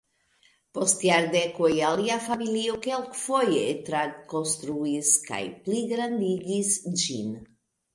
Post jardekoj alia familio kelkfoje trakonstruis kaj pligrandigis ĝin.